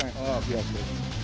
ini tinggal dulu